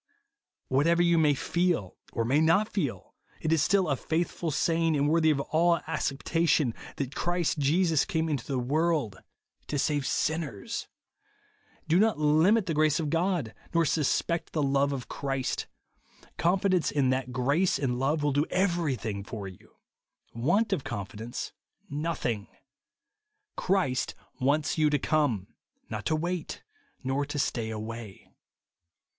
What ever you may feel, or may not feel, it is still a faithful saying, and worthy of all iicceptation, that Christ Jesus came into the world to save sinners. Do not limit INSENSIBILITY. 157 the grace of God, nor suspect the love of Christ. Confidence in that grace and love will do evevythmg for you ; v^^ant of confidence, nothing. Christ wants you to come ; not to wait, nor to stay away.